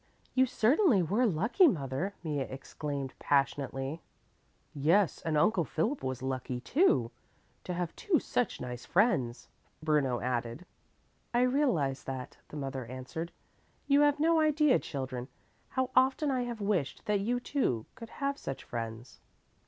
"You certainly were lucky, mother," Mea exclaimed passionately. "Yes, and Uncle Philip was lucky, too, to have two such nice friends," Bruno added. "I realize that," the mother answered. "You have no idea, children, how often I have wished that you, too, could have such friends."